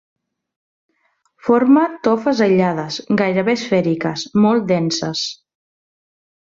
Forma tofes aïllades, gairebé esfèriques, molt denses.